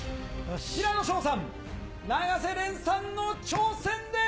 平野紫耀さん、永瀬廉さんの挑戦です。